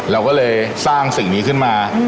เราก็เลยสร้างสิ่งนี้ขึ้นมา